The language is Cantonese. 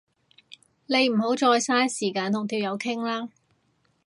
你唔好再嘥時間同條友傾啦